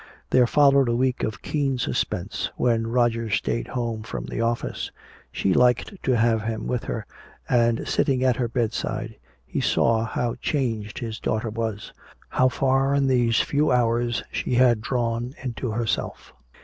There followed a week of keen suspense when Roger stayed home from the office. She liked to have him with her, and sitting at her bedside he saw how changed his daughter was, how far in these few hours she had drawn into herself.